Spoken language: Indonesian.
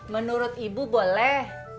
menurut ibu boleh